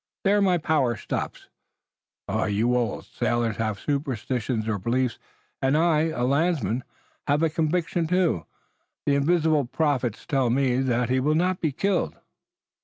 There my power stops. You old sailors have superstitions or beliefs, and I, a landsman, have a conviction, too. The invisible prophets tell me that he will not be killed."